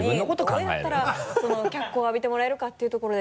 どうやったら脚光を浴びてもらえるかっていうところで。